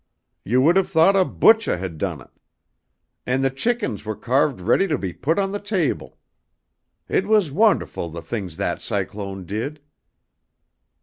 You would have thought a butchah had done it. And the chickens were carved ready to be put on the table. It was wonderful the things that cyclone did."